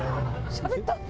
しゃべった。